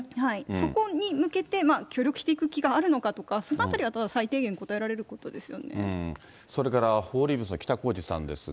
そこに向けて、協力していく気があるのかとか、そのあたりは、それからフォーリーブスの北公次さんですが。